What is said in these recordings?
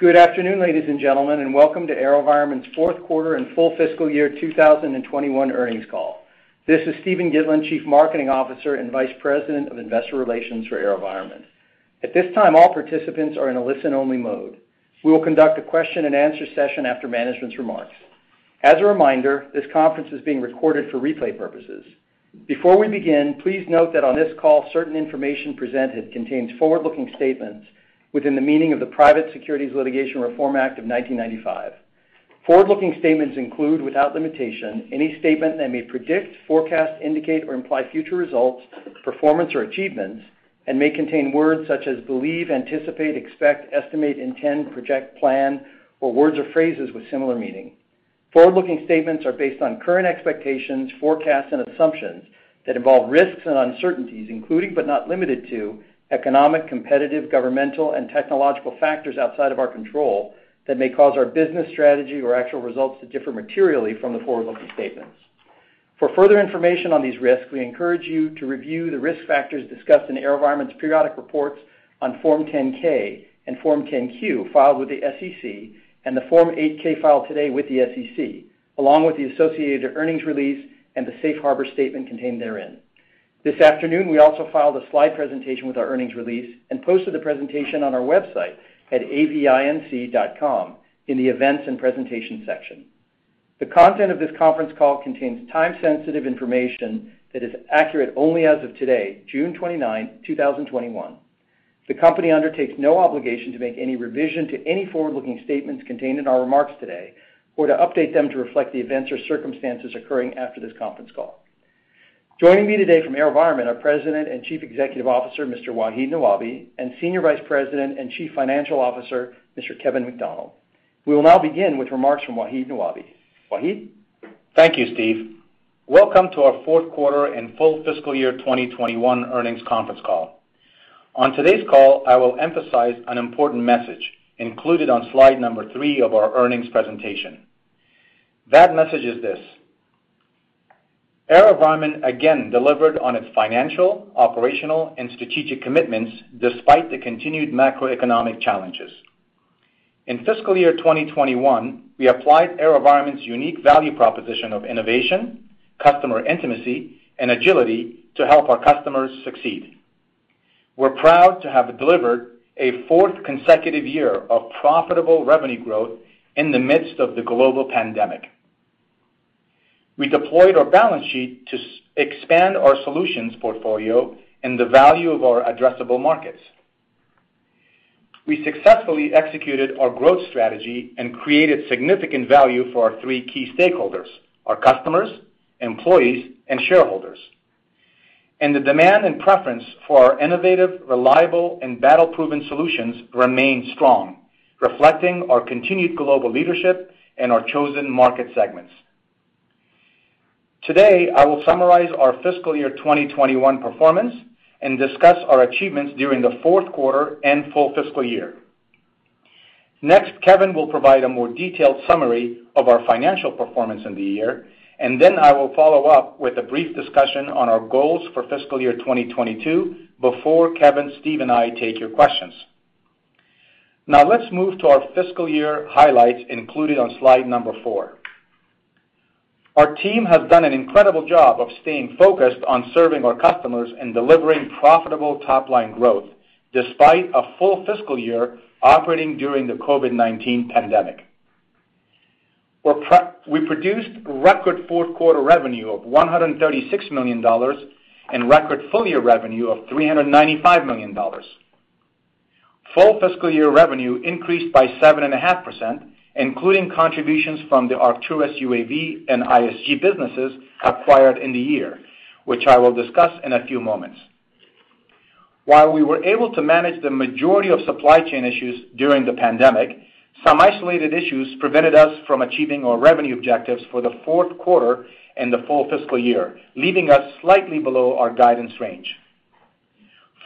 Good afternoon, ladies and gentlemen, and welcome to AeroVironment's fourth quarter and full fiscal year 2021 earnings call. This is Steven Gitlin, Chief Marketing Officer and Vice President of Investor Relations for AeroVironment. At this time, all participants are in a listen-only mode. We will conduct a question-and-answer session after management's remarks. As a reminder, this conference is being recorded for replay purposes. Before we begin, please note that on this call, certain information presented contains forward-looking statements within the meaning of the Private Securities Litigation Reform Act of 1995. Forward-looking statements include, without limitation, any statement that may predict, forecast, indicate, or imply future results, performance, or achievements and may contain words such as believe, anticipate, expect, estimate, intend, project, plan, or words or phrases with similar meaning. Forward-looking statements are based on current expectations, forecasts, and assumptions that involve risks and uncertainties, including but not limited to economic, competitive, governmental, and technological factors outside of our control that may cause our business strategy or actual results to differ materially from the forward-looking statements. For further information on these risks, we encourage you to review the risk factors discussed in AeroVironment's periodic reports on Form 10-K and Form 10-Q filed with the SEC and the Form 8-K filed today with the SEC, along with the associated earnings release and the safe harbor statement contained therein. This afternoon, we also filed a slide presentation with our earnings release and posted the presentation on our website at avinc.com in the Events and Presentation section. The content of this conference call contains time-sensitive information that is accurate only as of today, June 29th, 2021. The company undertakes no obligation to make any revision to any forward-looking statements contained in our remarks today or to update them to reflect the events or circumstances occurring after this conference call. Joining me today from AeroVironment are President and Chief Executive Officer, Mr. Wahid Nawabi, and Senior Vice President and Chief Financial Officer, Mr. Kevin McDonnell. We will now begin with remarks from Wahid Nawabi. Wahid? Thank you, Steve. Welcome to our fourth quarter and full fiscal year 2021 earnings conference call. On today's call, I will emphasize an important message included on slide number three of our earnings presentation. That message is this. AeroVironment again delivered on its financial, operational, and strategic commitments despite the continued macroeconomic challenges. In fiscal year 2021, we applied AeroVironment's unique value proposition of innovation, customer intimacy, and agility to help our customers succeed. We're proud to have delivered a fourth consecutive year of profitable revenue growth in the midst of the global pandemic. We deployed our balance sheet to expand our solutions portfolio and the value of our addressable markets. We successfully executed our growth strategy and created significant value for our three key stakeholders, our customers, employees, and shareholders. The demand and preference for our innovative, reliable, and battle-proven solutions remained strong, reflecting our continued global leadership in our chosen market segments. Today, I will summarize our fiscal year 2021 performance and discuss our achievements during the fourth quarter and full fiscal year. Next, Kevin will provide a more detailed summary of our financial performance in the year, then I will follow up with a brief discussion on our goals for fiscal year 2022 before Kevin, Steve, and I take your questions. Let's move to our fiscal year highlights included on slide number four. Our team has done an incredible job of staying focused on serving our customers and delivering profitable top-line growth despite a full fiscal year operating during the COVID-19 pandemic. We produced record fourth quarter revenue of $136 million and record full-year revenue of $395 million. Full fiscal year revenue increased by 7.5%, including contributions from the Arcturus UAV and ISG businesses acquired in the year, which I will discuss in a few moments. While we were able to manage the majority of supply chain issues during the pandemic, some isolated issues prevented us from achieving our revenue objectives for the fourth quarter and the full fiscal year, leaving us slightly below our guidance range.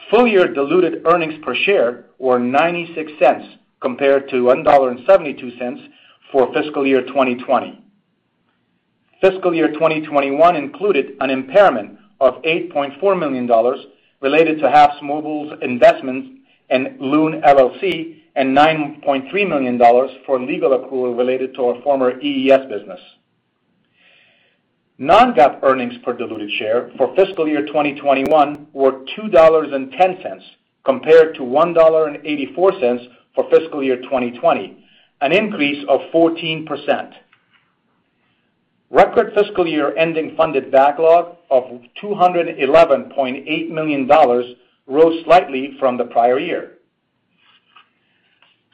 Full-year diluted earnings per share were $0.96 compared to $1.72 for fiscal year 2020. Fiscal year 2021 included an impairment of $8.4 million related to HAPSMobile's investments in Loon LLC and $9.3 million for legal accrual related to our former EES business. Non-GAAP earnings per diluted share for fiscal year 2021 were $2.10 compared to $1.84 for fiscal year 2020, an increase of 14%. Record fiscal year ending funded backlog of $211.8 million rose slightly from the prior year.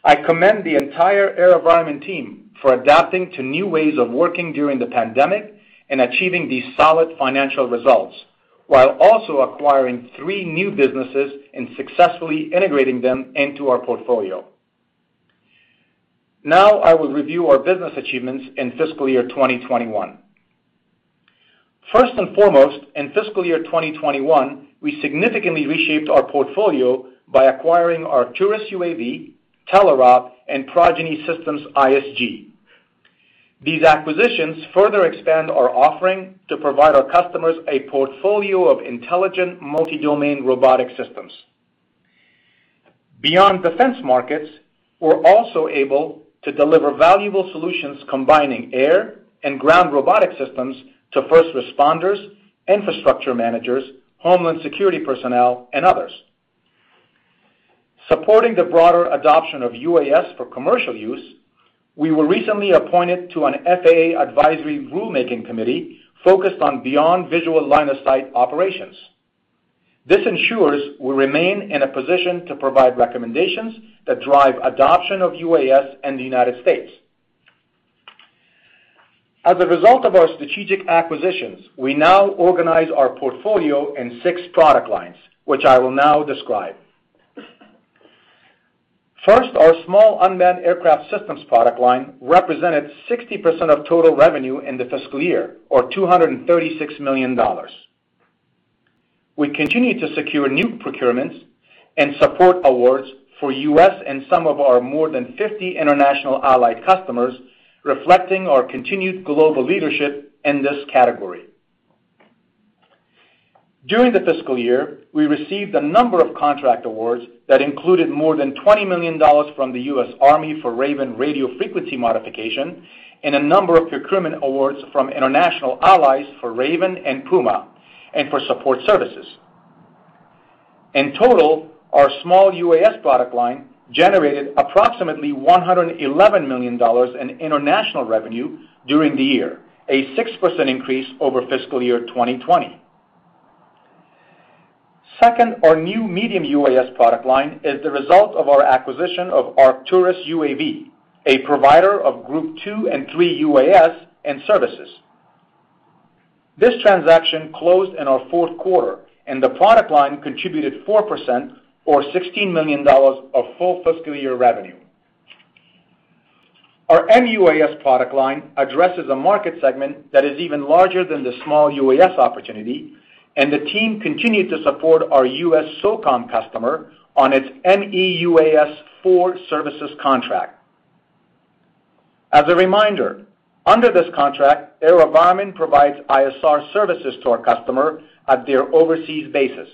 I commend the entire AeroVironment team for adapting to new ways of working during the pandemic and achieving these solid financial results while also acquiring three new businesses and successfully integrating them into our portfolio. Now, I will review our business achievements in fiscal year 2021. First and foremost, in fiscal year 2021, we significantly reshaped our portfolio by acquiring Arcturus UAV, Telerob, and Progeny Systems ISG. These acquisitions further expand our offering to provide our customers a portfolio of intelligent multi-domain robotic systems. Beyond defense markets, we're also able to deliver valuable solutions combining air and ground robotic systems to first responders, infrastructure managers, homeland security personnel, and others. Supporting the broader adoption of UAS for commercial use, we were recently appointed to an FAA advisory rulemaking committee focused on beyond visual line of sight operations. This ensures we remain in a position to provide recommendations that drive adoption of UAS in the U.S. As a result of our strategic acquisitions, we now organize our portfolio in six product lines, which I will now describe. First, our small unmanned aircraft systems product line represented 60% of total revenue in the fiscal year, or $236 million. We continue to secure new procurements and support awards for U.S. and some of our more than 50 international allied customers, reflecting our continued global leadership in this category. During the fiscal year, we received a number of contract awards that included more than $20 million from the U.S. Army for Raven radio frequency modification and a number of procurement awards from international allies for Raven and Puma and for support services. In total, our small UAS product line generated approximately $111 million in international revenue during the year, a 6% increase over fiscal year 2020. Second, our new medium UAS product line is the result of our acquisition of Arcturus UAV, a provider of Group 2 and 3 UAS and services. This transaction closed in our fourth quarter, and the product line contributed 4%, or $16 million, of full fiscal year revenue. Our MEUAS product line addresses a market segment that is even larger than the small UAS opportunity, and the team continued to support our USSOCOM customer on its MEUAS IV services contract. As a reminder, under this contract, AeroVironment provides ISR services to our customer at their overseas bases.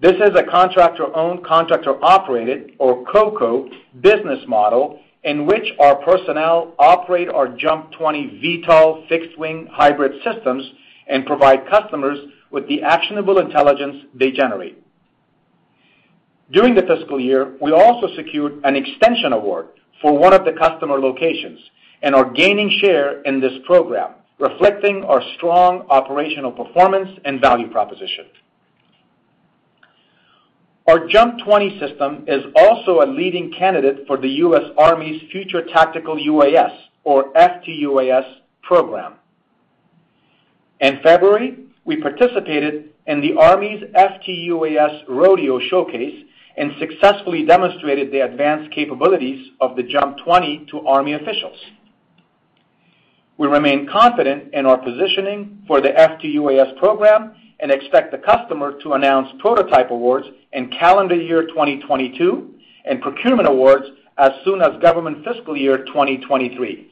This is a contractor-owned, contractor-operated, or COCO, business model in which our personnel operate our JUMP 20 VTOL fixed-wing hybrid systems and provide customers with the actionable intelligence they generate. During the fiscal year, we also secured an extension award for one of the customer locations and are gaining share in this program, reflecting our strong operational performance and value proposition. Our JUMP 20 system is also a leading candidate for the U.S. Army's Future Tactical UAS, or FTUAS, program. In February, we participated in the Army's FTUAS Rodeo Showcase and successfully demonstrated the advanced capabilities of the JUMP 20 to Army officials. We remain confident in our positioning for the FTUAS program and expect the customer to announce prototype awards in calendar year 2022 and procurement awards as soon as Government Fiscal Year 2023.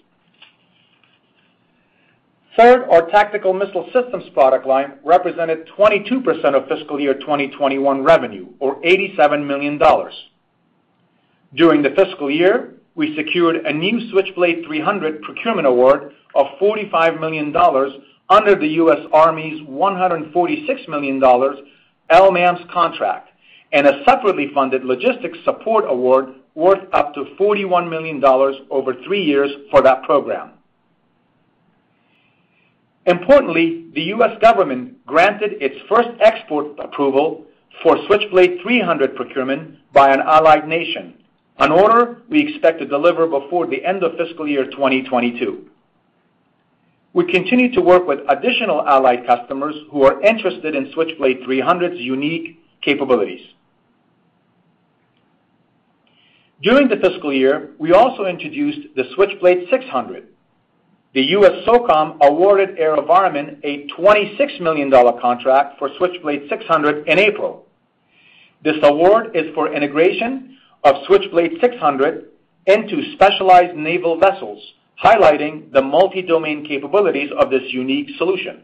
Third, our tactical missile systems product line represented 22% of fiscal year 2021 revenue, or $87 million. During the fiscal year, we secured a new Switchblade 300 procurement award of $45 million under the U.S. Army's $146 million LMAMS contract and a separately funded logistics support award worth up to $41 million over three years for that program. Importantly, the U.S. government granted its first export approval for Switchblade 300 procurement by an allied nation, an order we expect to deliver before the end of fiscal year 2022. We continue to work with additional allied customers who are interested in Switchblade 300's unique capabilities. During the fiscal year, we also introduced the Switchblade 600. The U.S. SOCOM awarded AeroVironment a $26 million contract for Switchblade 600 in April. This award is for integration of Switchblade 600 into specialized naval vessels, highlighting the multi-domain capabilities of this unique solution.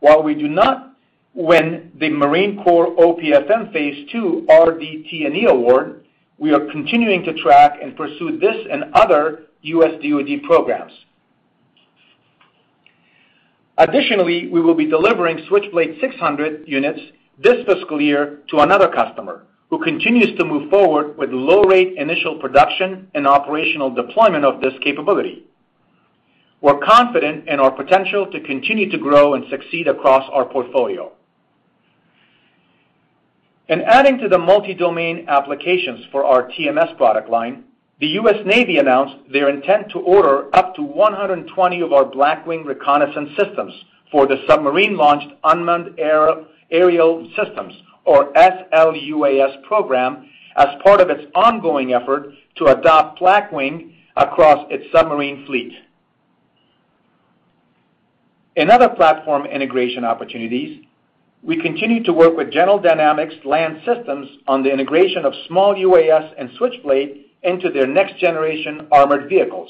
While we do not win the Marine Corps OPF-M Phase 2 RDT&E award, we are continuing to track and pursue this and other U.S. DoD programs. Additionally, we will be delivering Switchblade 600 units this fiscal year to another customer who continues to move forward with low-rate initial production and operational deployment of this capability. We're confident in our potential to continue to grow and succeed across our portfolio. In adding to the multi-domain applications for our TMS product line, the U.S. Navy announced their intent to order up to 120 of our Blackwing reconnaissance systems for the submarine-launched unmanned aerial systems, or SLUAS, program as part of its ongoing effort to adopt Blackwing across its submarine fleet. In other platform integration opportunities, we continue to work with General Dynamics Land Systems on the integration of small UAS and Switchblade into their next-generation armored vehicles.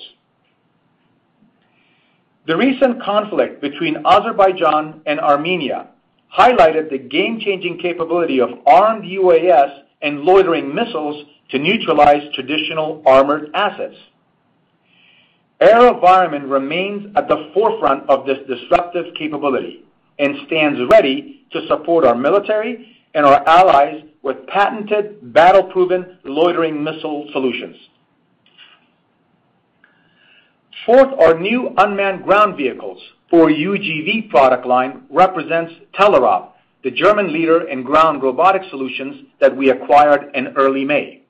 The recent conflict between Azerbaijan and Armenia highlighted the game-changing capability of armed UAS and loitering missiles to neutralize traditional armored assets. AeroVironment remains at the forefront of this disruptive capability and stands ready to support our military and our allies with patented, battle-proven loitering missile solutions. Fourth, our new unmanned ground vehicles, or UGV product line, represents Telerob, the German leader in ground robotic solutions that we acquired in early May.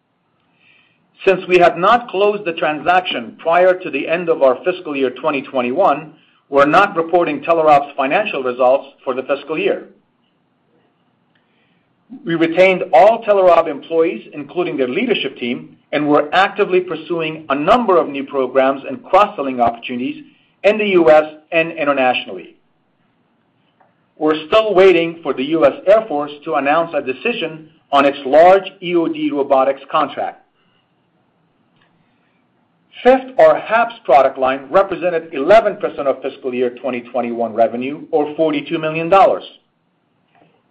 Since we have not closed the transaction prior to the end of our fiscal year 2021, we're not reporting Telerob's financial results for the fiscal year. We retained all Telerob employees, including their leadership team, and we're actively pursuing a number of new programs and cross-selling opportunities in the U.S. and internationally. We're still waiting for the U.S. Air Force to announce a decision on its large EOD robotics contract. Fifth, our HAPS product line represented 11% of fiscal year 2021 revenue, or $42 million.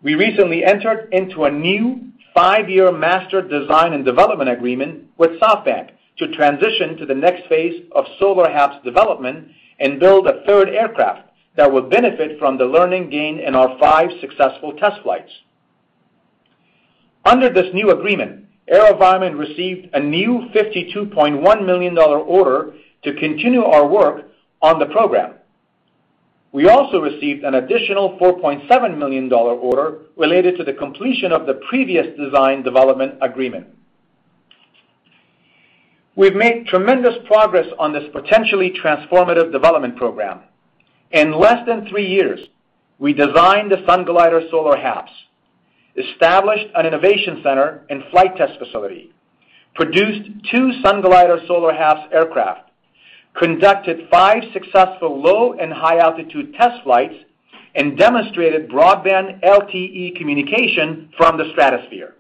We recently entered into a new five-year master design and development agreement with SoftBank to transition to the next phase of solar HAPS development and build a third aircraft that would benefit from the learning gained in our five successful test flights. Under this new agreement, AeroVironment received a new $52.1 million order to continue our work on the program. We also received an additional $4.7 million order related to the completion of the previous design development agreement. We've made tremendous progress on this potentially transformative development program. In less than three years, we designed the Sunglider solar HAPS, established an innovation center and flight test facility, produced two Sunglider solar HAPS aircraft, conducted five successful low and high-altitude test flights, and demonstrated broadband LTE communication from the stratosphere.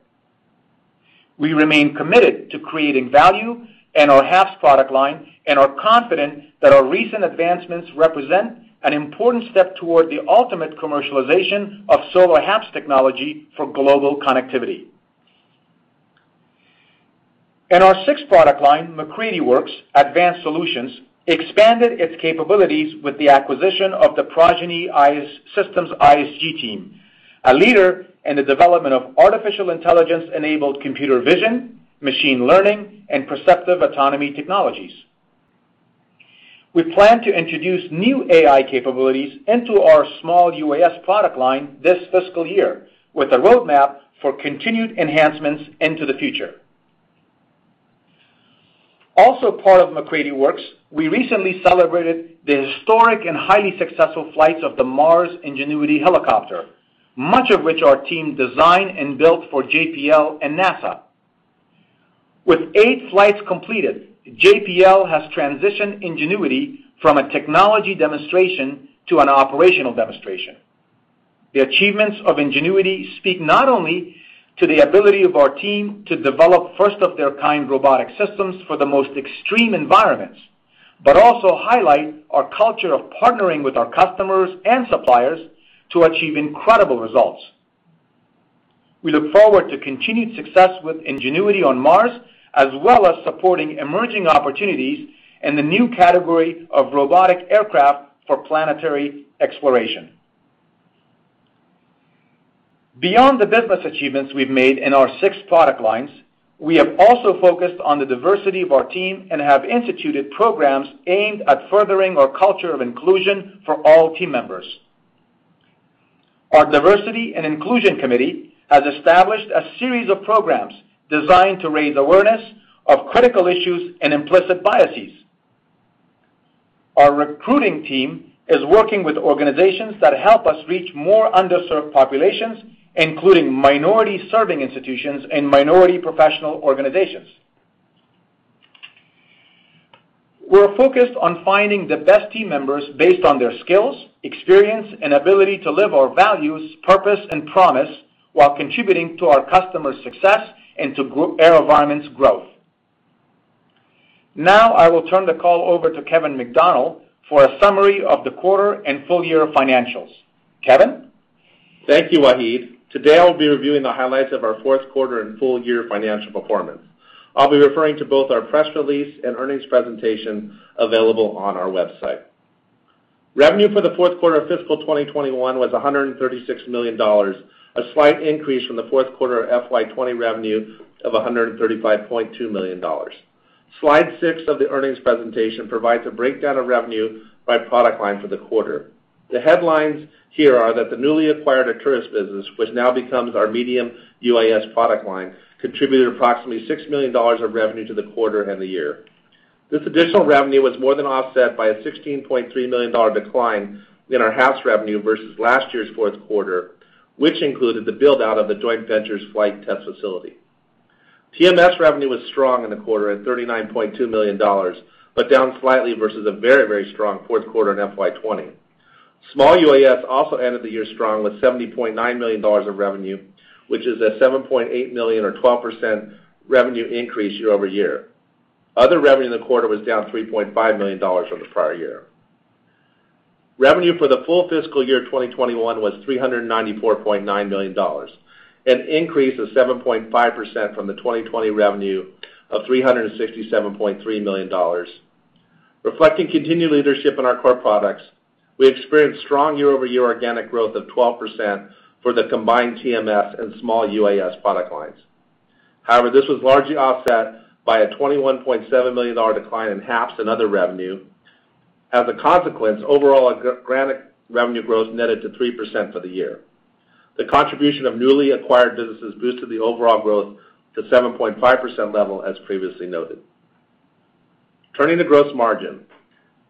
We remain committed to creating value in our HAPS product line and are confident that our recent advancements represent an important step toward the ultimate commercialization of solar HAPS technology for global connectivity. In our sixth product line, MacCready Works Advanced Solutions expanded its capabilities with the acquisition of the Progeny Systems ISG team, a leader in the development of artificial intelligence-enabled computer vision, machine learning, and perceptive autonomy technologies. We plan to introduce new AI capabilities into our small UAS product line this fiscal year with a roadmap for continued enhancements into the future. Also part of MacCready Works, we recently celebrated the historic and highly successful flights of the Mars Ingenuity helicopter, much of which our team designed and built for JPL and NASA. With eight flights completed, JPL has transitioned Ingenuity from a technology demonstration to an operational demonstration. The achievements of Ingenuity speak not only to the ability of our team to develop first-of-their-kind robotic systems for the most extreme environments, but also highlight our culture of partnering with our customers and suppliers to achieve incredible results. We look forward to continued success with Ingenuity on Mars, as well as supporting emerging opportunities in the new category of robotic aircraft for planetary exploration. Beyond the business achievements we've made in our six product lines, we have also focused on the diversity of our team and have instituted programs aimed at furthering our culture of inclusion for all team members. Our diversity and inclusion committee has established a series of programs designed to raise awareness of critical issues and implicit biases. Our recruiting team is working with organizations that help us reach more underserved populations, including minority-serving institutions and minority professional organizations. We're focused on finding the best team members based on their skills, experience, and ability to live our values, purpose, and promise while contributing to our customers' success and to AeroVironment's growth. Now, I will turn the call over to Kevin McDonnell for a summary of the quarter and full-year financials. Kevin? Thank you, Wahid. Today, I'll be reviewing the highlights of our fourth quarter and full-year financial performance. I'll be referring to both our press release and earnings presentation available on our website. Revenue for the fourth quarter of fiscal 2021 was $136 million, a slight increase from the fourth quarter of FY 2020 revenue of $135.2 million. Slide six of the earnings presentation provides a breakdown of revenue by product line for the quarter. The headlines here are that the newly acquired Arcturus business, which now becomes our medium UAS product line, contributed approximately $6 million of revenue to the quarter and the year. This additional revenue was more than offset by a $16.3 million decline in our HAPS revenue versus last year's fourth quarter, which included the build-out of the joint venture's flight test facility. TMS revenue was strong in the quarter at $39.2 million, but down slightly versus a very strong fourth quarter in FY 2020. Small UAS also ended the year strong with $70.9 million of revenue, which is a $7.8 million or 12% revenue increase year-over-year. Other revenue in the quarter was down $3.5 million from the prior year. Revenue for the full fiscal year 2021 was $394.9 million, an increase of 7.5% from the 2020 revenue of $367.3 million. Reflecting continued leadership in our core products, we experienced strong year-over-year organic growth of 12% for the combined TMS and Small UAS product lines. However, this was largely offset by a $21.7 million decline in HAPS and other revenue. As a consequence, overall organic revenue growth netted to 3% for the year. The contribution of newly acquired businesses boosted the overall growth to 7.5% level as previously noted. Turning to gross margin.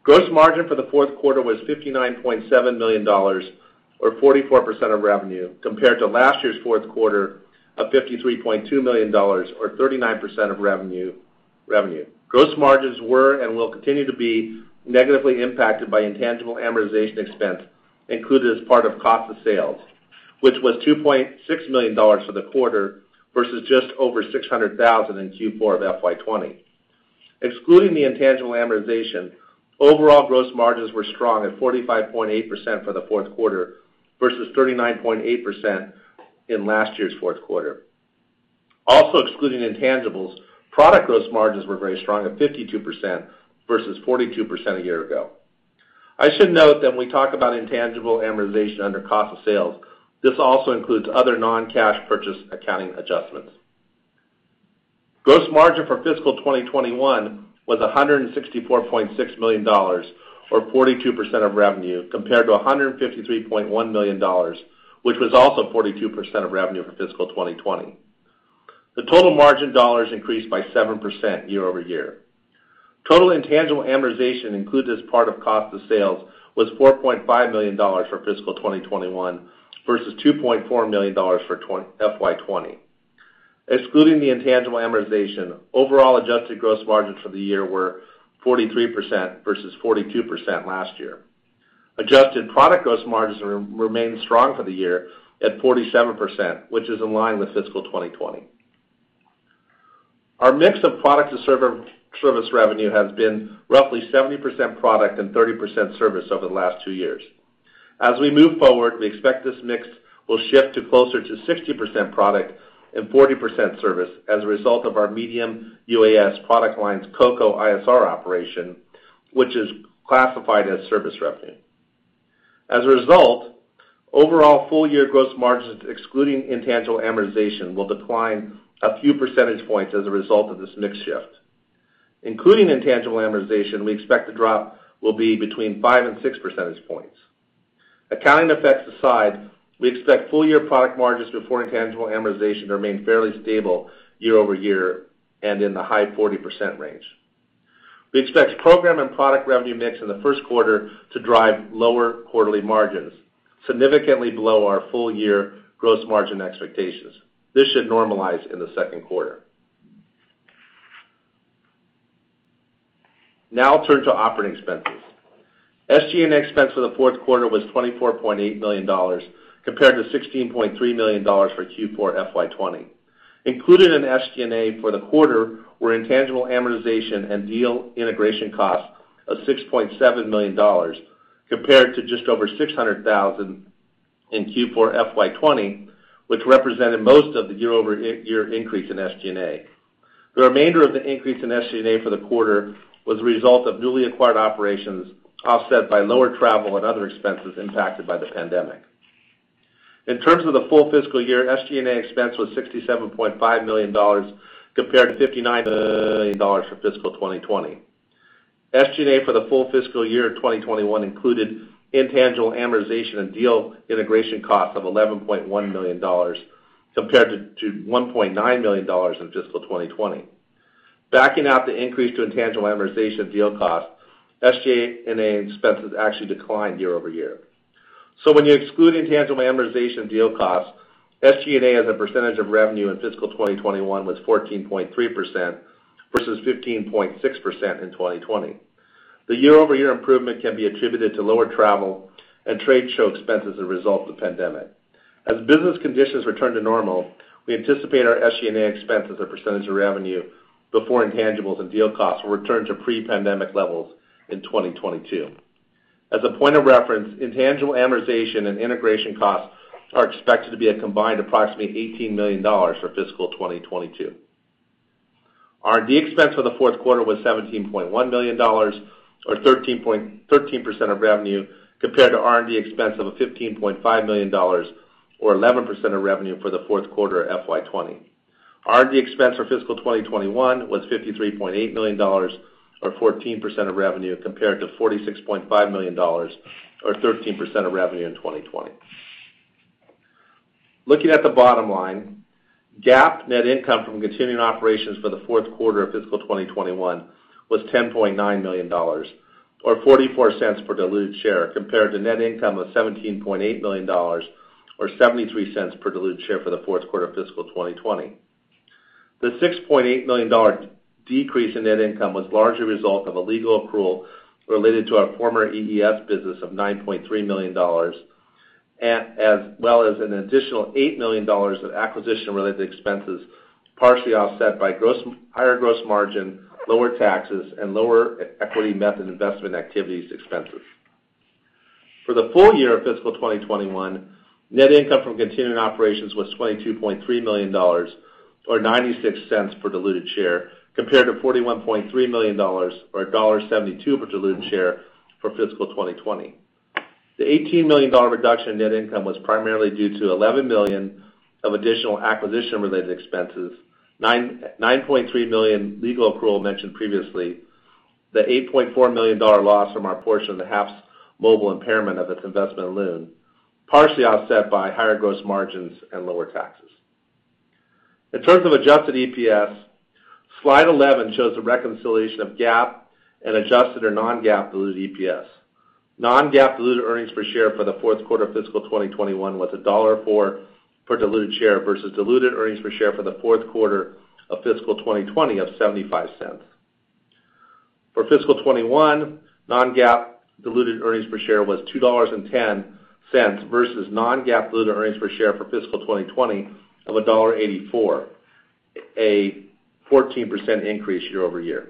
Gross margin for the fourth quarter was $59.7 million or 44% of revenue compared to last year's fourth quarter of $53.2 million or 39% of revenue. Gross margins were and will continue to be negatively impacted by intangible amortization expense included as part of cost of sales, which was $2.6 million for the quarter versus just over $600,000 in Q4 of FY 2020. Excluding the intangible amortization, overall gross margins were strong at 45.8% for the fourth quarter versus 39.8% in last year's fourth quarter. Also excluding intangibles, product gross margins were very strong at 52% versus 42% a year ago. I should note that when we talk about intangible amortization under cost of sales, this also includes other non-cash purchase accounting adjustments. Gross margin for fiscal 2021 was $164.6 million or 42% of revenue compared to $153.1 million which was also 42% of revenue for fiscal 2020. The total margin dollars increased by 7% year-over-year. Total intangible amortization included as part of cost of sales was $4.5 million for fiscal 2021 versus $2.4 million for FY 2020. Excluding the intangible amortization, overall adjusted gross margins for the year were 43% versus 42% last year. Adjusted product gross margins remained strong for the year at 47%, which is in line with fiscal 2020. Our mix of product to service revenue has been roughly 70% product and 30% service over the last two years. As we move forward, we expect this mix will shift to closer to 60% product and 40% service as a result of our medium UAS product line's COCO ISR operation, which is classified as service revenue. As a result, overall full-year gross margins excluding intangible amortization will decline a few percentage points as a result of this mix shift. Including intangible amortization, we expect the drop will be between 5 and 6 percentage points. Accounting effects aside, we expect full-year product margins before intangible amortization to remain fairly stable year-over-year and in the high 40% range. We expect program and product revenue mix in the first quarter to drive lower quarterly margins significantly below our full-year gross margin expectations. This should normalize in the second quarter. I'll turn to operating expenses. SG&A expense for the fourth quarter was $24.8 million compared to $16.3 million for Q4 FY 2020. Included in SG&A for the quarter were intangible amortization and deal integration costs of $6.7 million compared to just over $600,000 in Q4 FY 2020, which represented most of the year-over-year increase in SG&A. The remainder of the increase in SG&A for the quarter was a result of newly acquired operations offset by lower travel and other expenses impacted by the pandemic. In terms of the full fiscal year, SG&A expense was $67.5 million compared to $59 million for fiscal 2020. SG&A for the full fiscal year 2021 included intangible amortization and deal integration costs of $11.1 million compared to $1.9 million in fiscal 2020. Backing out the increase to intangible amortization deal cost, SG&A expenses actually declined year-over-year. When you exclude intangible amortization and deal costs, SG&A as a percentage of revenue in fiscal 2021 was 14.3% versus 15.6% in 2020. The year-over-year improvement can be attributed to lower travel and trade show expenses as a result of the pandemic. As business conditions return to normal, we anticipate our SG&A expenses as a percentage of revenue before intangibles and deal costs will return to pre-pandemic levels in 2022. As a point of reference, intangible amortization and integration costs are expected to be a combined approximately $18 million for fiscal 2022. R&D expense for the fourth quarter was $17.1 million or 13% of revenue compared to R&D expense of $15.5 million or 11% of revenue for the fourth quarter of FY20. R&D expense for fiscal 2021 was $53.8 million or 14% of revenue compared to $46.5 million or 13% of revenue in 2020. Looking at the bottom line, GAAP net income from continuing operations for the fourth quarter of fiscal 2021 was $10.9 million or $0.44 per diluted share compared to net income of $17.8 million, or $0.73 per diluted share for the fourth quarter of fiscal 2020. The $6.8 million decrease in net income was largely a result of a legal accrual related to our former EES business of $9.3 million, as well as an additional $8 million of acquisition-related expenses, partially offset by higher gross margin, lower taxes, and lower equity method investment activities expenses. For the full year of fiscal 2021, net income from continuing operations was $22.3 million, or $0.96 per diluted share, compared to $41.3 million or $1.72 per diluted share for fiscal 2020. The $18 million reduction in net income was primarily due to $11 million of additional acquisition-related expenses, $9.3 million legal accrual mentioned previously, the $8.4 million loss from our portion of the HAPSMobile impairment of its investment in Loon, partially offset by higher gross margins and lower taxes. In terms of adjusted EPS, slide 11 shows a reconciliation of GAAP and adjusted or non-GAAP diluted EPS. Non-GAAP diluted earnings per share for the fourth quarter of fiscal 2021 was $1.04 per diluted share versus diluted earnings per share for the fourth quarter of fiscal 2020 of $0.75. For fiscal 2021, non-GAAP diluted earnings per share was $2.10 versus non-GAAP diluted earnings per share for fiscal 2020 of $1.84, a 14% increase year-over-year.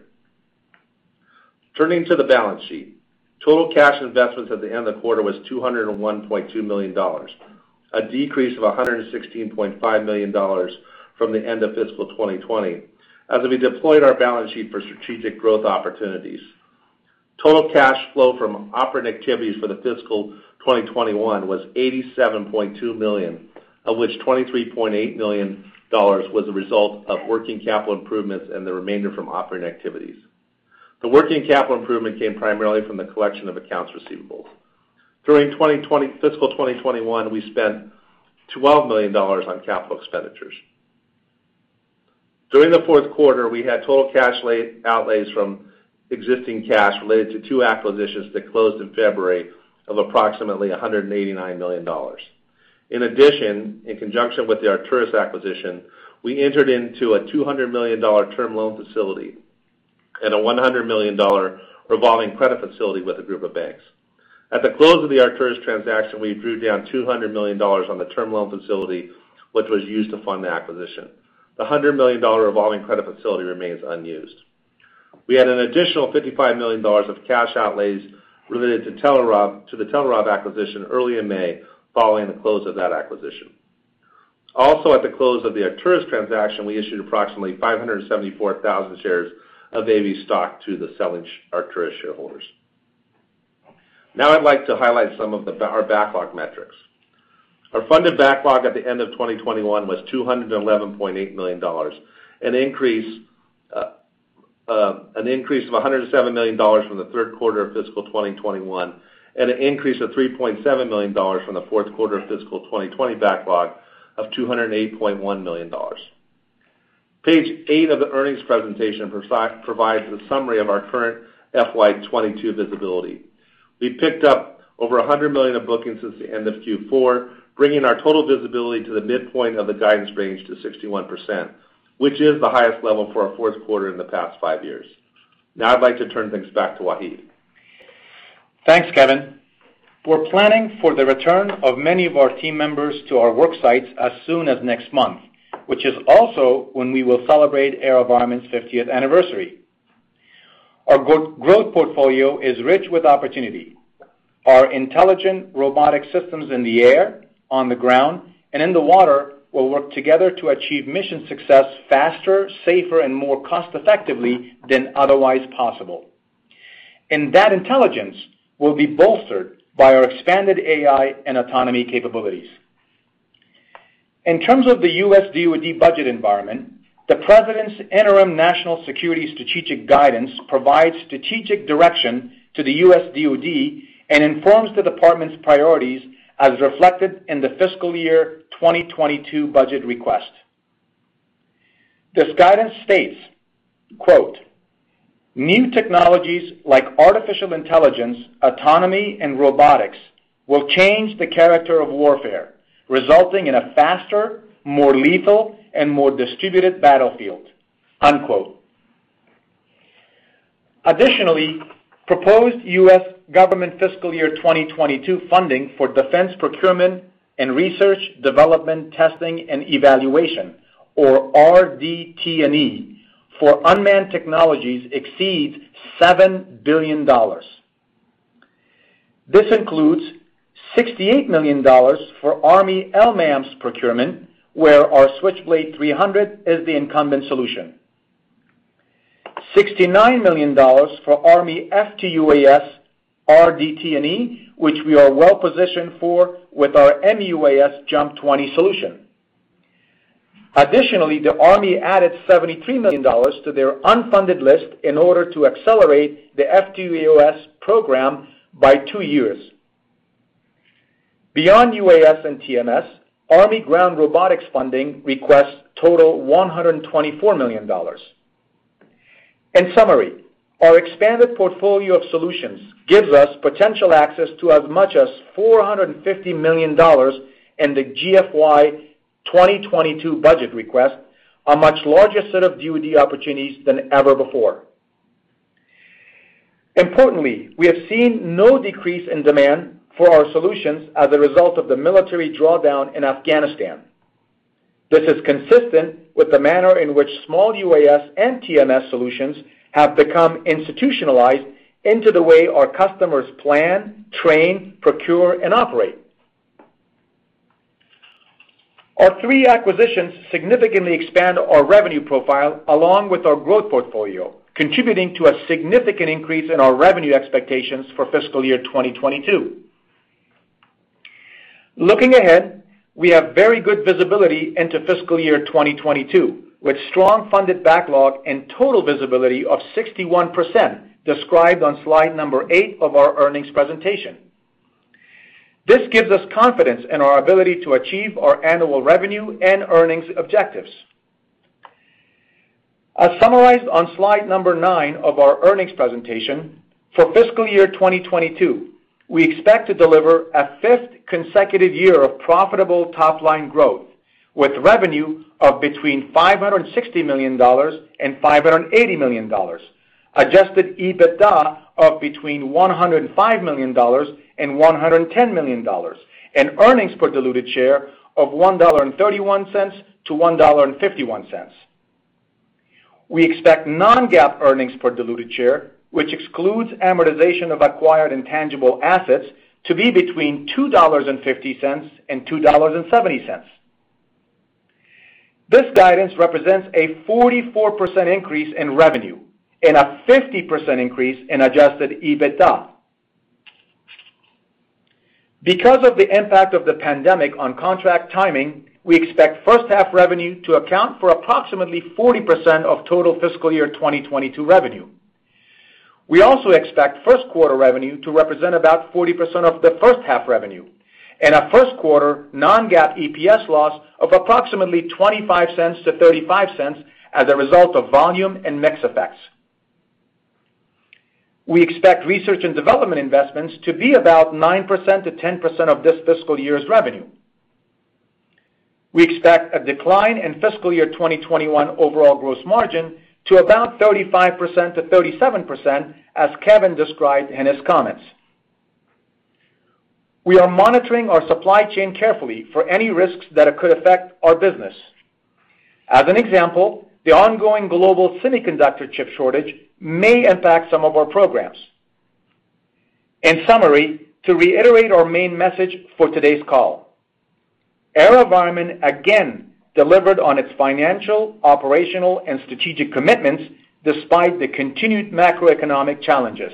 Turning to the balance sheet. Total cash investments at the end of the quarter was $201.2 million, a decrease of $116.5 million from the end of FY 2020, as we deployed our balance sheet for strategic growth opportunities. Total cash flow from operating activities for the FY 2021 was $87.2 million, of which $23.8 million was a result of working capital improvements and the remainder from operating activities. The working capital improvement came primarily from the collection of accounts receivable. During FY 2021, we spent $12 million on capital expenditures. During the fourth quarter, we had total cash outlays from existing cash related to two acquisitions that closed in February of approximately $189 million. In addition, in conjunction with the Arcturus acquisition, we entered into a $200 million term loan facility and a $100 million revolving credit facility with a group of banks. At the close of the Arcturus transaction, we drew down $200 million on the term loan facility, which was used to fund the acquisition. The $100 million revolving credit facility remains unused. We had an additional $55 million of cash outlays related to the Telerob acquisition early in May following the close of that acquisition. Also at the close of the Arcturus transaction, we issued approximately 574,000 shares of AV stock to the selling Arcturus shareholders. I'd like to highlight some of our backlog metrics. Our funded backlog at the end of 2021 was $211.8 million, an increase of $107 million from the third quarter of fiscal 2021, and an increase of $3.7 million from the fourth quarter of fiscal 2020 backlog of $208.1 million. Page eight of the earnings presentation provides a summary of our current FY 2022 visibility. We've picked up over $100 million of bookings since the end of Q4, bringing our total visibility to the midpoint of the guidance range to 61%, which is the highest level for our fourth quarter in the past five years. Now I'd like to turn things back to Wahid. Thanks, Kevin. We're planning for the return of many of our team members to our work sites as soon as next month, which is also when we will celebrate AeroVironment's 50th anniversary. Our growth portfolio is rich with opportunity. Our intelligent robotic systems in the air, on the ground, and in the water will work together to achieve mission success faster, safer, and more cost-effectively than otherwise possible. That intelligence will be bolstered by our expanded AI and autonomy capabilities. In terms of the U.S. DoD budget environment, the President's interim National Security Strategic Guidance provides strategic direction to the U.S. DoD and informs the department's priorities as reflected in the fiscal year 2022 budget request. This guidance states, quote, "New technologies like artificial intelligence, autonomy, and robotics will change the character of warfare, resulting in a faster, more lethal, and more distributed battlefield." Unquote. Additionally, proposed U.S. government fiscal year 2022 funding for defense procurement and research, development, testing, and evaluation, or RDT&E, for unmanned technologies exceeds $7 billion. This includes $68 million for Army LMAMS procurement, where our Switchblade 300 is the incumbent solution. $69 million for Army FTUAS RDT&E, which we are well-positioned for with our MEUAS JUMP 20 solution. Additionally, the Army added $73 million to their unfunded list in order to accelerate the FTUAS program by two years. Beyond UAS and TMS, Army Ground Robotics funding requests total $124 million. In summary, our expanded portfolio of solutions gives us potential access to as much as $450 million in the GFY 2022 budget request, a much larger set of DoD opportunities than ever before. Importantly, we have seen no decrease in demand for our solutions as a result of the military drawdown in Afghanistan. This is consistent with the manner in which sUAS and TMS solutions have become institutionalized into the way our customers plan, train, procure, and operate. Our three acquisitions significantly expand our revenue profile along with our growth portfolio, contributing to a significant increase in our revenue expectations for fiscal year 2022. Looking ahead, we have very good visibility into fiscal year 2022, with strong funded backlog and total visibility of 61%, described on slide number eight of our earnings presentation. This gives us confidence in our ability to achieve our annual revenue and earnings objectives. As summarized on slide number nine of our earnings presentation, for fiscal year 2022, we expect to deliver a fifth consecutive year of profitable top-line growth, with revenue of between $560 million and $580 million, adjusted EBITDA of between $105 million and $110 million, and earnings per diluted share of $1.31-$1.51. We expect non-GAAP earnings per diluted share, which excludes amortization of acquired intangible assets, to be between $2.50 and $2.70. This guidance represents a 44% increase in revenue and a 50% increase in adjusted EBITDA. Because of the impact of the pandemic on contract timing, we expect first-half revenue to account for approximately 40% of total fiscal year 2022 revenue. We also expect first quarter revenue to represent about 40% of the first-half revenue and a first quarter non-GAAP EPS loss of approximately $0.25-$0.35 as a result of volume and mix effects. We expect research and development investments to be about 9%-10% of this fiscal year's revenue. We expect a decline in fiscal year 2021 overall gross margin to about 35%-37%, as Kevin described in his comments. We are monitoring our supply chain carefully for any risks that could affect our business. As an example, the ongoing global semiconductor chip shortage may impact some of our programs. In summary, to reiterate our main message for today's call, AeroVironment again delivered on its financial, operational, and strategic commitments despite the continued macroeconomic challenges.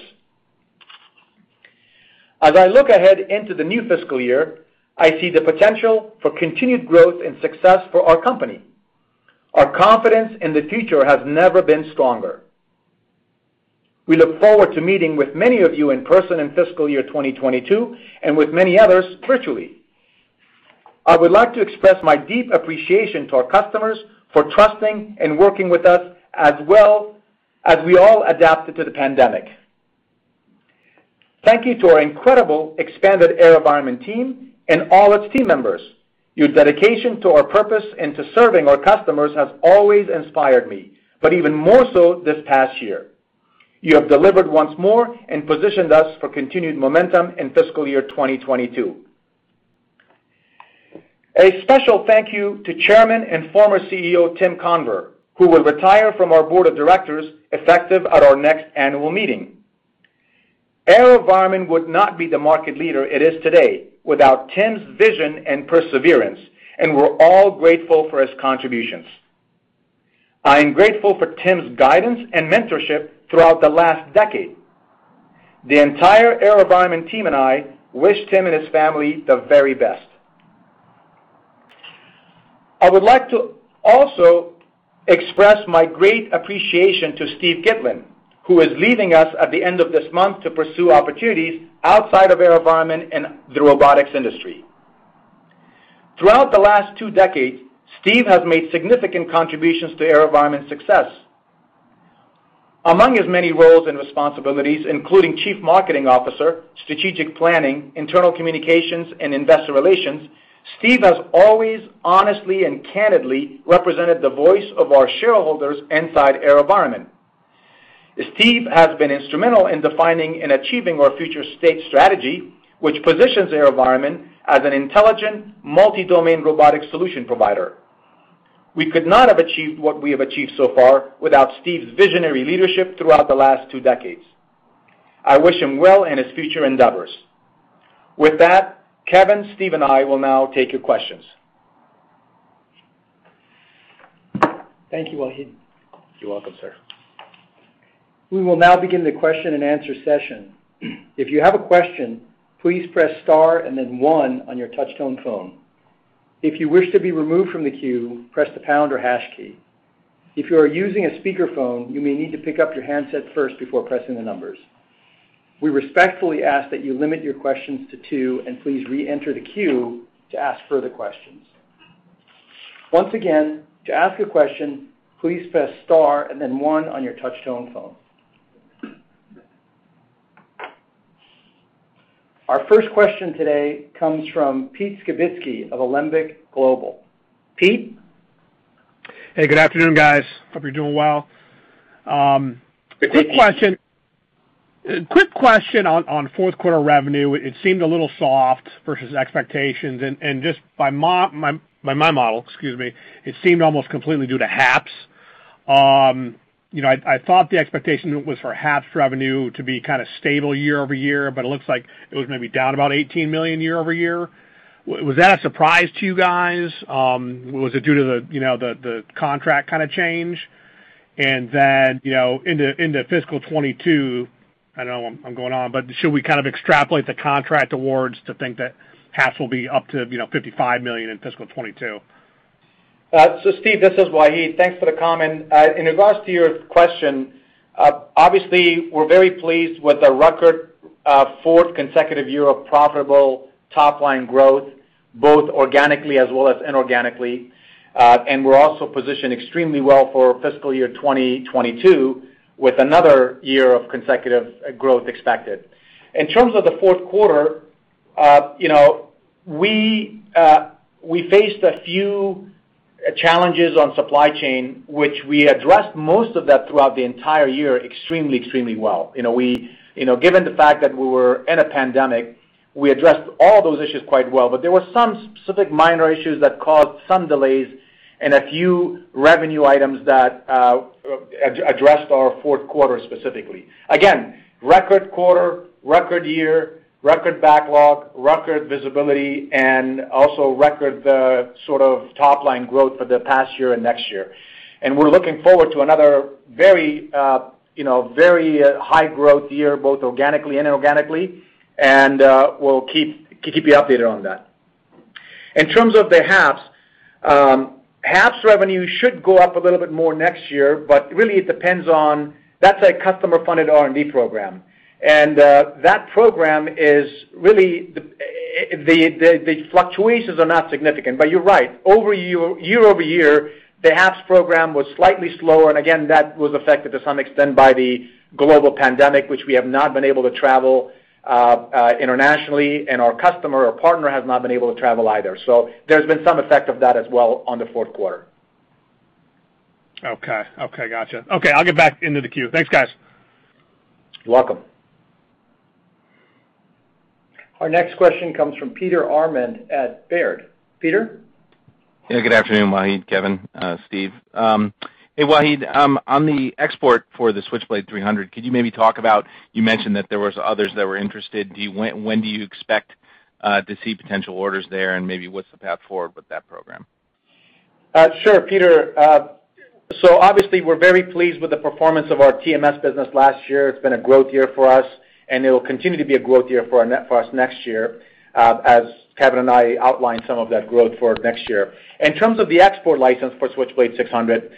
As I look ahead into the new fiscal year, I see the potential for continued growth and success for our company. Our confidence in the future has never been stronger. We look forward to meeting with many of you in person in fiscal year 2022 and with many others virtually. I would like to express my deep appreciation to our customers for trusting and working with us as well as we all adapted to the pandemic. Thank you to our incredible expanded AeroVironment team and all its key members. Your dedication to our purpose and to serving our customers has always inspired me, but even more so this past year. You have delivered once more and positioned us for continued momentum in fiscal year 2022. A special thank you to Chairman and former CEO, Tim Conver, who will retire from our board of directors effective at our next annual meeting. AeroVironment would not be the market leader it is today without Tim's vision and perseverance, and we're all grateful for his contributions. I am grateful for Tim's guidance and mentorship throughout the last decade. The entire AeroVironment team and I wish Tim and his family the very best. I would like to also express my great appreciation to Steve Gitlin, who is leaving us at the end of this month to pursue opportunities outside of AeroVironment and the robotics industry. Throughout the last two decades, Steve has made significant contributions to AeroVironment's success. Among his many roles and responsibilities, including chief marketing officer, strategic planning, internal communications, and investor relations, Steve has always honestly and candidly represented the voice of our shareholders inside AeroVironment. Steve has been instrumental in defining and achieving our future state strategy, which positions AeroVironment as an intelligent multi-domain robotic solution provider. We could not have achieved what we have achieved so far without Steve's visionary leadership throughout the last two decades. I wish him well in his future endeavors. With that, Kevin, Steve, and I will now take your questions. Thank you, Wahid. You're welcome, sir. We will now begin the question and answer session. If you have a question, please press star and then one on your touchtone phone. If you wish to be removed from the queue, press the pound or hash key. If you are using a speakerphone, you may need to pick up your handset first before pressing the numbers. We respectfully ask that you limit your questions to two and please re-enter the queue to ask further questions. Once again, to ask a question, please press star and then one on your touch-tone phone Our first question today comes from Pete Skibitski of Alembic Global. Pete? Hey, good afternoon, guys. Hope you're doing well. Good afternoon. Quick question on fourth quarter revenue. It seemed a little soft versus expectations and just by my model, excuse me, it seemed almost completely due to HAPS. I thought the expectation was for HAPS revenue to be kind of stable year-over-year, but it looks like it was maybe down about $18 million year-over-year. Was that a surprise to you guys? Was it due to the contract kind of change? Then into FY 2022, I know I'm going on, but should we kind of extrapolate the contract awards to think that HAPS will be up to $55 million in FY 2022? Steve, this is Wahid. Thanks for the comment. In regards to your question, obviously we're very pleased with our record fourth consecutive year of profitable top-line growth, both organically as well as inorganically. We're also positioned extremely well for fiscal year 2022 with another year of consecutive growth expected. In terms of the fourth quarter, we faced a few challenges on supply chain, which we addressed most of that throughout the entire year extremely well. Given the fact that we were in a pandemic, we addressed all those issues quite well, but there were some specific minor issues that caused some delays and a few revenue items that addressed our fourth quarter specifically. Again, record quarter, record year, record backlog, record visibility, and also record the sort of top-line growth for the past year and next year. We're looking forward to another very high-growth year, both organically and inorganically. We'll keep you updated on that. In terms of the HAPS revenue should go up a little bit more next year, but really it depends on, that's a customer-funded R&D program. That program is really, the fluctuations are not significant. You're right. Over year-over-year, the HAPS program was slightly slow, and again, that was affected to some extent by the global pandemic, which we have not been able to travel internationally, and our customer or partner has not been able to travel either. There's been some effect of that as well on the fourth quarter. Okay. Gotcha. Okay, I'll get back into the queue. Thanks, guys. Welcome. Our next question comes from Peter Arment at Baird. Peter? Yeah, good afternoon, Wahid, Kevin, Steve. Hey, Wahid, on the export for the Switchblade 300, could you maybe talk about, you mentioned that there was others that were interested, when do you expect to see potential orders there and maybe what's the path forward with that program? Sure, Peter. Obviously, we're very pleased with the performance of our TMS business last year. It's been a growth year for us, and it will continue to be a growth year for us next year as Kevin and I outlined some of that growth for next year. In terms of the export license for Switchblade 300,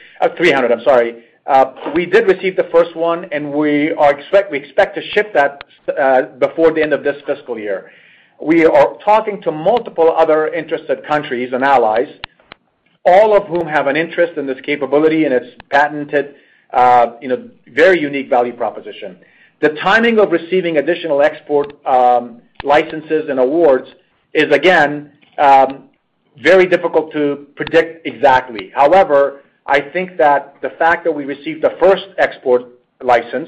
we did receive the first one, and we expect to ship that before the end of this fiscal year. We are talking to multiple other interested countries and allies, all of whom have an interest in this capability and its patented, very unique value proposition. The timing of receiving additional export licenses and awards is, again, very difficult to predict exactly. I think that the fact that we received the first export license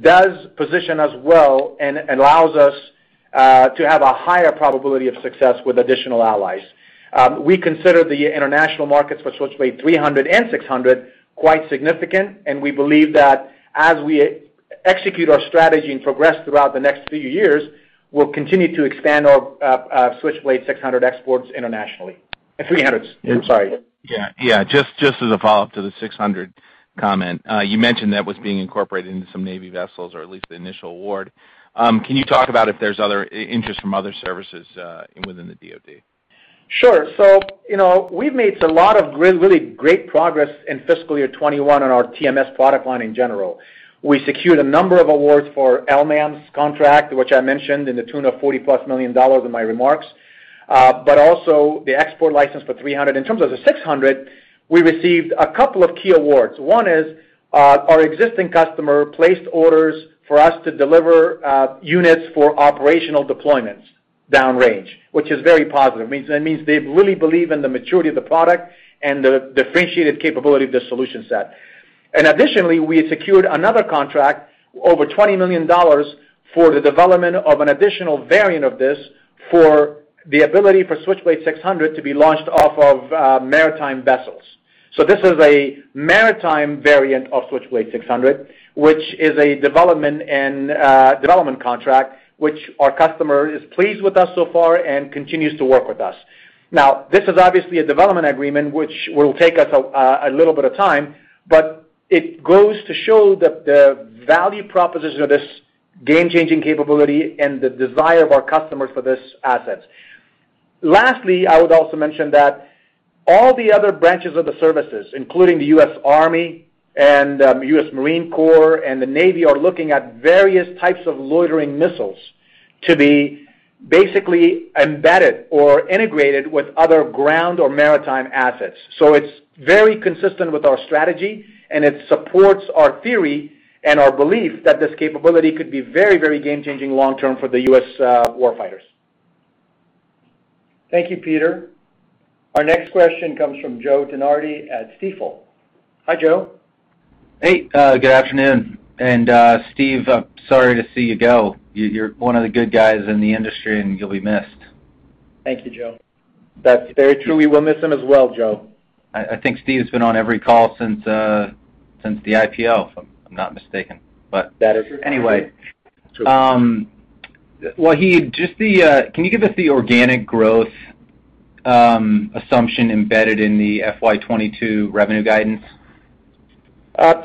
does position us well and allows us to have a higher probability of success with additional allies. We consider the international market for Switchblade 300 and 600 quite significant. We believe that as we execute our strategy and progress throughout the next few years, we'll continue to expand our Switchblade 600 exports internationally. 300, I'm sorry. Yeah. Just as a follow-up to the Switchblade 600 comment, you mentioned that was being incorporated into some Navy vessels or at least the initial award. Can you talk about if there's interest from other services within the DoD? Sure. We've made a lot of really great progress in fiscal year 2021 on our TMS product line in general. We secured a number of awards for LMAMS contract, which I mentioned in the tune of $40 million+ in my remarks. Also the export license for Switchblade 300. In terms of the Switchblade 600, we received a couple of key awards. one is our existing customer placed orders for us to deliver units for operational deployments downrange, which is very positive. It means they really believe in the maturity of the product and the differentiated capability of the solution set. Additionally, we secured another contract over $20 million for the development of an additional variant of this for the ability for Switchblade 600 to be launched off of maritime vessels. This is a maritime variant of Switchblade 600, which is a development contract, which our customer is pleased with us so far and continues to work with us. This is obviously a development agreement, which will take us a little bit of time, but it goes to show that the value proposition of this game-changing capability and the desire of our customers for this asset. I would also mention that all the other branches of the services, including the U.S. Army and the U.S. Marine Corps and the Navy, are looking at various types of loitering missiles to be basically embedded or integrated with other ground or maritime assets. It's very consistent with our strategy, and it supports our theory and our belief that this capability could be very game-changing long-term for the U.S. warfighters. Thank you, Peter. Our next question comes from Joe DeNardi at Stifel. Hi, Joe. Hey, good afternoon. Steve, I'm sorry to see you go. You're one of the good guys in the industry, and you'll be missed. Thank you, Joe. That's very true. We will miss him as well, Joe. I think Steve's been on every call since the IPO, if I'm not mistaken. That is true. Wahid, can you give us the organic growth assumption embedded in the FY 2022 revenue guidance?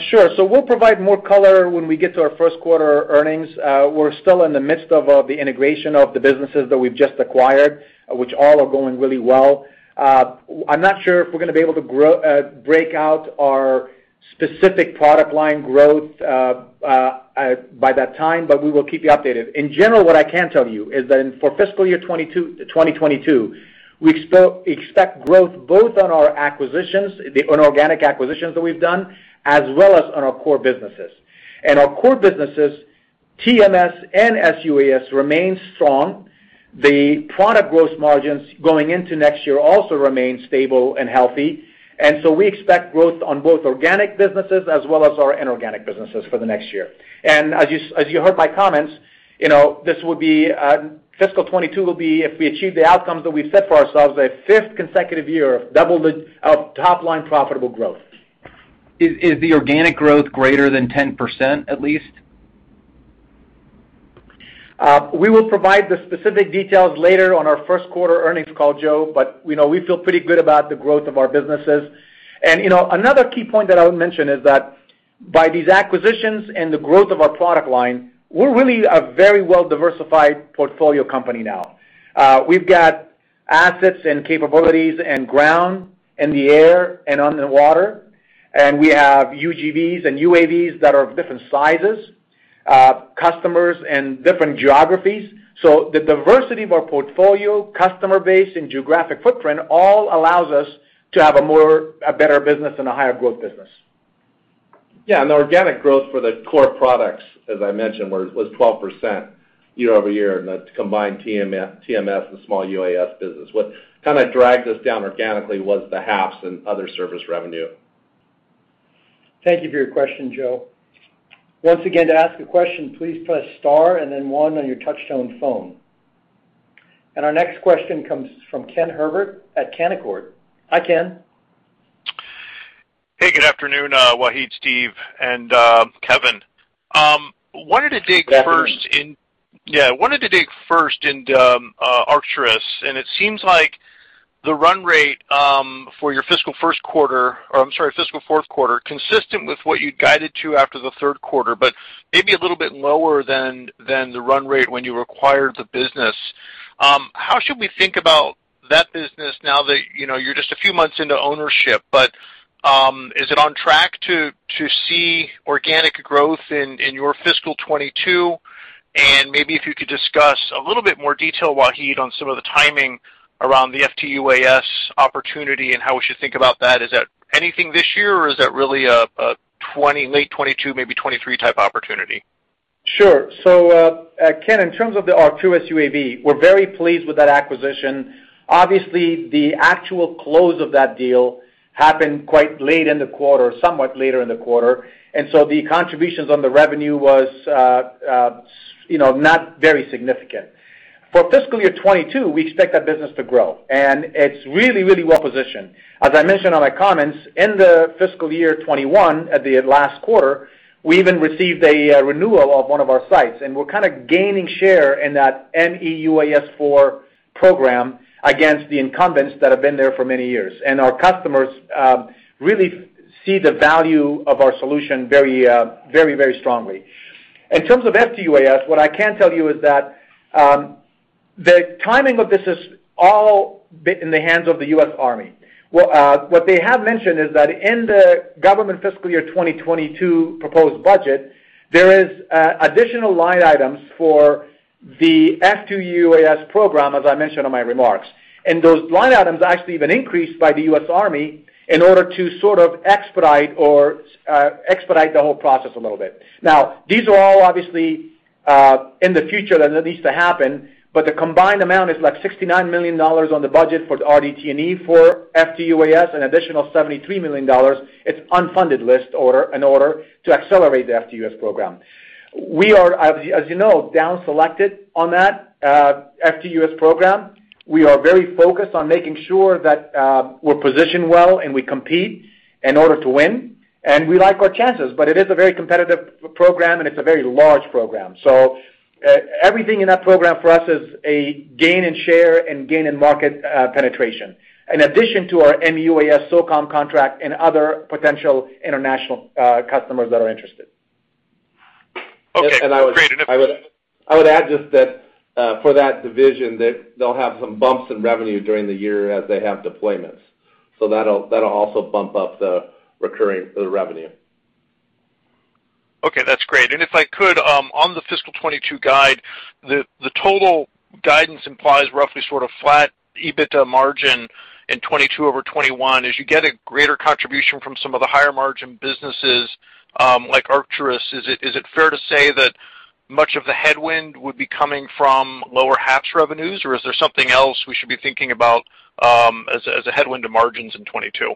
Sure. We'll provide more color when we get to our first quarter earnings. We're still in the midst of the integration of the businesses that we've just acquired, which all are going really well. I'm not sure if we're going to be able to break out our specific product line growth by that time, but we will keep you updated. In general, what I can tell you is that for fiscal year 2022, we still expect growth both on our acquisitions, the inorganic acquisitions that we've done, as well as on our core businesses. Our core businesses, TMS and sUAS, remain strong. The product gross margins going into next year also remain stable and healthy. We expect growth on both organic businesses as well as our inorganic businesses for the next year. As you heard my comments, FY 2022 will be, if we achieve the outcomes that we set for ourselves, a fifth consecutive year of top-line profitable growth. Is the organic growth greater than 10% at least? We will provide the specific details later on our first-quarter earnings call, Joe. We feel pretty good about the growth of our businesses. Another key point that I would mention is that by these acquisitions and the growth of our product line, we're really a very well-diversified portfolio company now. We've got assets and capabilities in ground, in the air, and underwater. We have UGVs and UAVs that are of different sizes, customers in different geographies. The diversity of our portfolio, customer base, and geographic footprint all allows us to have a better business and a higher growth business. Yeah. Organic growth for the core products, as I mentioned, was 12% year-over-year in the combined TMS and small UAS business. What kind of dragged us down organically was the HAPS and other service revenue. Thank you for your question, Joe. Once again, to ask a question, please press star and then one on your touch-tone phone. Our next question comes from Ken Herbert at Canaccord. Hi, Ken. Hey, good afternoon, Wahid, Steve, and Kevin. Wanted to dig first into Arcturus, and it seems like the run rate for your fiscal first quarter, or I'm sorry, fiscal fourth quarter, consistent with what you guided to after the third quarter, but maybe a little bit lower than the run rate when you acquired the business. How should we think about that business now that you're just a few months into ownership, but is it on track to see organic growth in your FY 2022? Maybe if you could discuss a little bit more detail, Wahid, on some of the timing around the FTUAS opportunity and how we should think about that. Is that anything this year, or is that really a late 2022, maybe 2023 type opportunity? Sure. Ken, in terms of the Arcturus UAV, we're very pleased with that acquisition. Obviously, the actual close of that deal happened quite late in the quarter, somewhat later in the quarter. The contributions on the revenue was not very significant. For fiscal year 2022, we expect that business to grow, and it's really well-positioned. As I mentioned in my comments, in the fiscal year 2021, at the last quarter, we even received a renewal of one of our sites, and we're kind of gaining share in that MEUAS IV program against the incumbents that have been there for many years. Our customers really see the value of our solution very strongly. In terms of FTUAS, what I can tell you is that the timing of this is all in the hands of the U.S. Army. What they have mentioned is that in the Government fiscal year 2022 proposed budget, there is additional line items for the FTUAS program, as I mentioned in my remarks. Those line items actually have been increased by the U.S. Army in order to sort of expedite the whole process a little bit. These are all obviously in the future, and it needs to happen, but the combined amount is like $69 million on the budget for RD&E for FTUAS, an additional $73 million. It's unfunded list in order to accelerate the FTUAS program. We are, as you know, down-selected on that FTUAS program. We are very focused on making sure that we're positioned well and we compete in order to win, and we like our chances. It is a very competitive program, and it's a very large program. Everything in that program for us is a gain in share and gain in market penetration. In addition to our MEUAS SOCOM contract and other potential international customers that are interested. Okay. Great. I would add just that for that division, that they'll have some bumps in revenue during the year as they have deployments. That'll also bump up the recurring revenue. Okay, that's great. If I could, on the fiscal 2022 guide, the total guidance implies roughly flat EBITDA margin in 2022 over 2021. As you get a greater contribution from some of the higher margin businesses like Arcturus, is it fair to say that much of the headwind would be coming from lower HAPS revenues? Or is there something else we should be thinking about as a headwind to margins in 2022?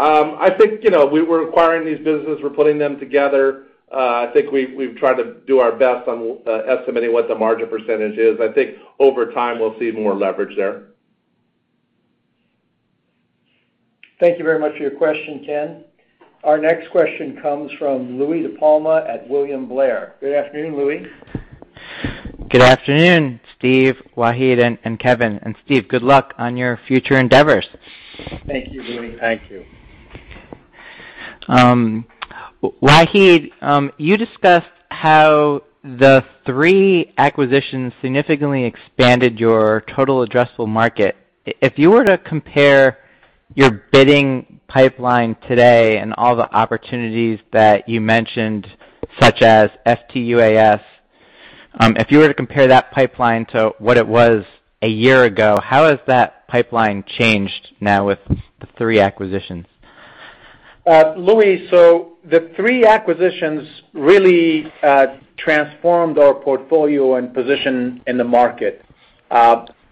I think, we were acquiring these businesses, we're putting them together. I think we've tried to do our best on estimating what the margin percentage is. I think over time, we'll see more leverage there. Thank you very much for your question, Ken. Our next question comes from Louie DiPalma at William Blair. Good afternoon, Louie. Good afternoon, Steve, Wahid, and Kevin. Steve, good luck on your future endeavors. Thank you, Louie. Thank you. Wahid, you discussed how the three acquisitions significantly expanded your total addressable market. If you were to compare your bidding pipeline today and all the opportunities that you mentioned, such as FTUAS, if you were to compare that pipeline to what it was a year ago, how has that pipeline changed now with the three acquisitions? Louie, the three acquisitions really transformed our portfolio and position in the market.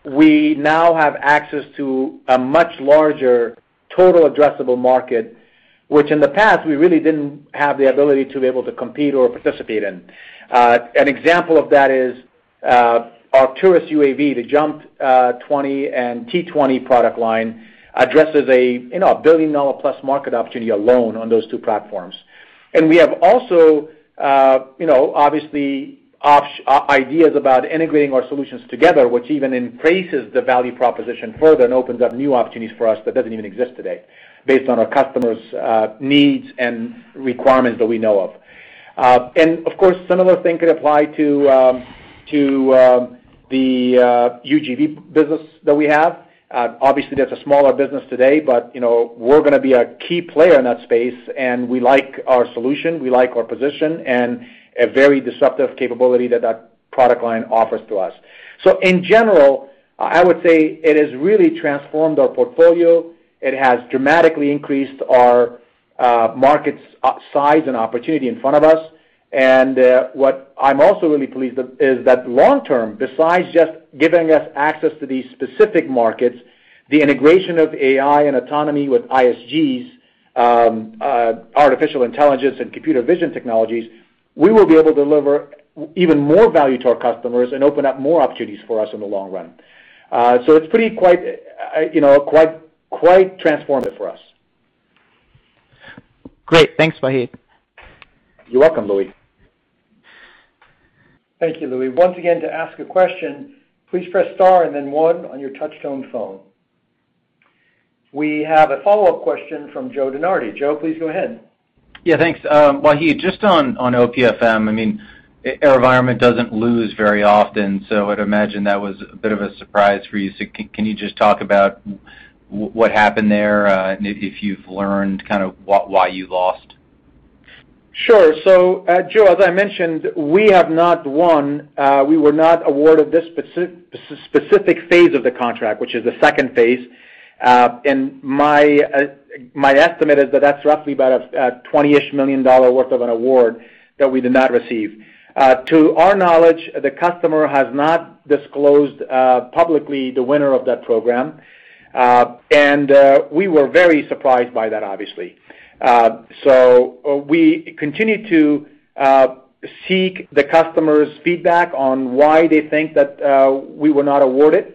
We now have access to a much larger total addressable market, which in the past we really didn't have the ability to be able to compete or participate in. An example of that is Arcturus UAV, the JUMP 20 and T-20 product line addresses a billion-dollar-plus market opportunity alone on those two platforms. We have also obviously ideas about integrating our solutions together, which even increases the value proposition further and opens up new opportunities for us that doesn't even exist today based on our customer's needs and requirements that we know of. Of course, similar thing could apply to the UGV business that we have. Obviously, that's a smaller business today, but we're going to be a key player in that space and we like our solution, we like our position, and a very disruptive capability that that product line offers to us. In general, I would say it has really transformed our portfolio. It has dramatically increased our market size and opportunity in front of us. What I'm also really pleased with is that long term, besides just giving us access to these specific markets, the integration of AI and autonomy with ISG's artificial intelligence and computer vision technologies, we will be able to deliver even more value to our customers and open up more opportunities for us in the long run. It's pretty quite transformative for us. Great. Thanks, Wahid. You're welcome, Louie. Thank you, Louie. Once again, to ask a question, please press star and then one on your touch-tone phone. We have a follow-up question from Joe DeNardi. Joe, please go ahead. Yeah, thanks. Wahid, just on OPFM, AeroVironment doesn't lose very often, I'd imagine that was a bit of a surprise for you. Can you just talk about what happened there, and if you've learned why you lost? Sure. Joe, as I mentioned, we have not won. We were not awarded this specific phase of the contract, which is the second phase. My estimate is that that's roughly about $20 million worth of an award that we did not receive. To our knowledge, the customer has not disclosed publicly the winner of that program. We were very surprised by that, obviously. We continue to seek the customer's feedback on why they think that we were not awarded.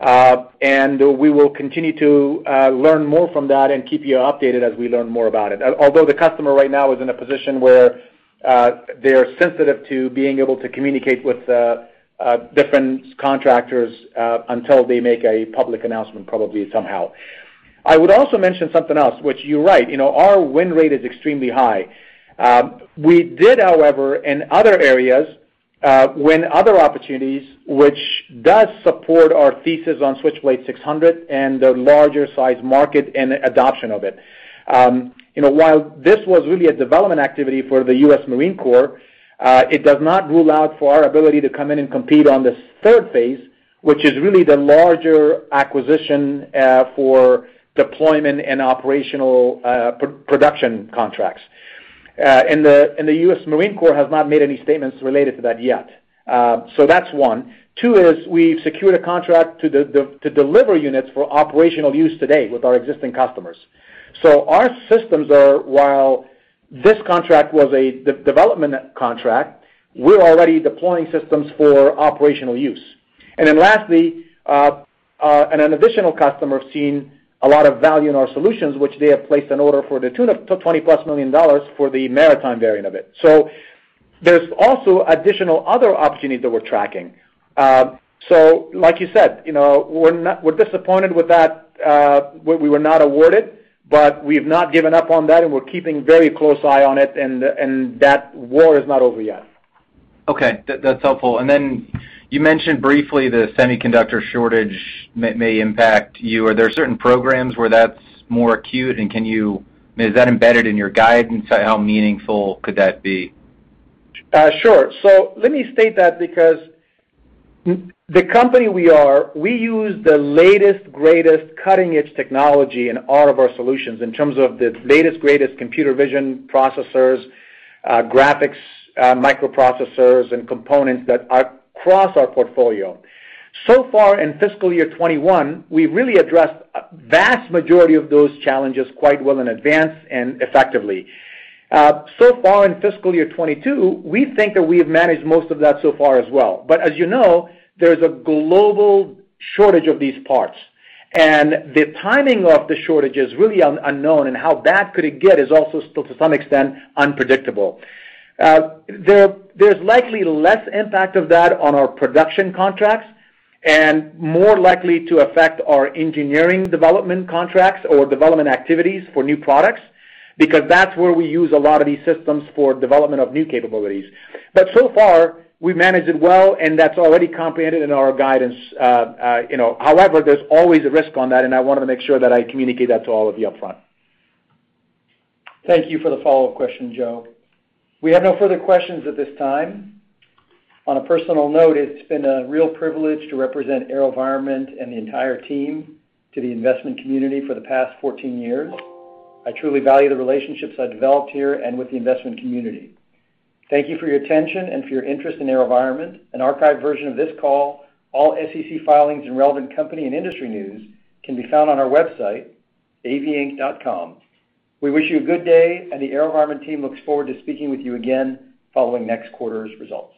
We will continue to learn more from that and keep you updated as we learn more about it. Although the customer right now is in a position where they're sensitive to being able to communicate with different contractors until they make a public announcement probably somehow. I would also mention something else, which you're right, our win rate is extremely high. We did, however, in other areas, win other opportunities which does support our thesis on Switchblade 600 and the larger size market and adoption of it. While this was really a development activity for the U.S. Marine Corps, it does not rule out for our ability to come in and compete on the third phase, which is really the larger acquisition for deployment and operational production contracts. The U.S. Marine Corps has not made any statements related to that yet. That's one. Two is we've secured a contract to deliver units for operational use today with our existing customers. Our systems are, while this contract was a development contract, we're already deploying systems for operational use. Lastly, an additional customer has seen a lot of value in our solutions, which they have placed an order for the tune of $20+ million for the maritime variant of it. There's also additional other opportunities that we're tracking. Like you said, we're disappointed with that we were not awarded, but we've not given up on that, and we're keeping a very close eye on it, and that war is not over yet. Okay. That's helpful. You mentioned briefly the semiconductor shortage may impact you. Are there certain programs where that's more acute? Is that embedded in your guidance? How meaningful could that be? Sure. Let me state that because the company we are, we use the latest, greatest cutting-edge technology in all of our solutions in terms of the latest, greatest computer vision processors, graphics microprocessors, and components that are across our portfolio. In fiscal year 2021, we really addressed a vast majority of those challenges quite well in advance and effectively. In fiscal year 2022, we think that we have managed most of that so far as well. As you know, there's a global shortage of these parts, and the timing of the shortage is really unknown, and how bad could it get is also to some extent unpredictable. There's likely less impact of that on our production contracts and more likely to affect our engineering development contracts or development activities for new products because that's where we use a lot of these systems for development of new capabilities. But so far, we've managed it well, and that's already comprehended in our guidance. However, there's always a risk on that, and I want to make sure that I communicate that to all of you upfront. Thank you for the follow-up question, Joe. We have no further questions at this time. On a personal note, it's been a real privilege to represent AeroVironment and the entire team to the investment community for the past 14 years. I truly value the relationships I've developed here and with the investment community. Thank you for your attention and for your interest in AeroVironment. An archived version of this call, all SEC filings, and relevant company and industry news can be found on our website, avinc.com. We wish you a good day, and the AeroVironment team looks forward to speaking with you again following next quarter's results.